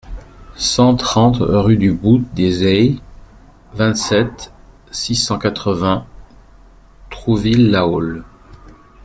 cent trente rue du Bout des Hayes, vingt-sept, six cent quatre-vingts, Trouville-la-Haule